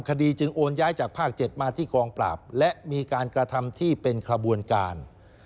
คดีจึงโอนย้ายจากภาค๗มาที่กองปราบและมีการกระทำที่เป็นขบวนการ